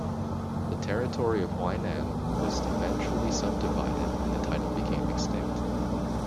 The territory of Huainan was eventually subdivided and the title became extinct.